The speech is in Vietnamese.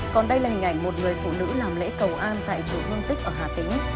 còn đây là hình ảnh một người phụ nữ làm lễ cầu an tại chỗ hương tích ở hà tĩnh